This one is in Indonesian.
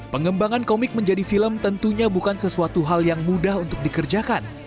pengembangan komik menjadi film tentunya bukan sesuatu hal yang mudah untuk dikerjakan